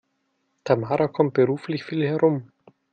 Tamara kommt beruflich viel herum.